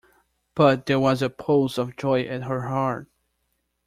But there was a pulse of joy at her heart.